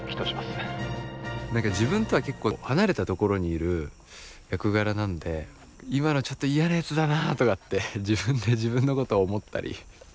何か自分とは結構離れたところにいる役柄なんで今のちょっと嫌なやつだなとかって自分で自分のことを思ったり。